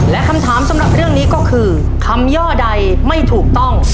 และคำถามสำหรับเรื่องนี้ก็คือคำย่อใดไม่ถูกต้อง